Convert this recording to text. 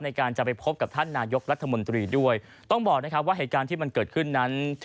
ในการจะไปพบกับท่านนายกรัฐมนตรีด้วยต้องบอกนะครับว่าเหตุการณ์ที่มันเกิดขึ้นนั้น